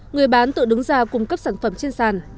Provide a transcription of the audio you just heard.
người bán tự đứng ra cung cấp sản phẩm trên sàn